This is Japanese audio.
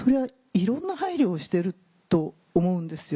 いろんな配慮をしてると思うんですよ。